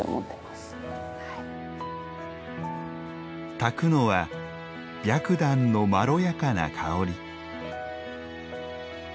たくのは白檀のまろやかな香り。